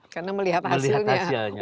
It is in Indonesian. karena melihat hasilnya